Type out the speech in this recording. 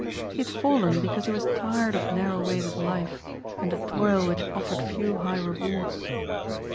He had fallen because he was tired of narrow ways of life and a toil which offered few high rewards.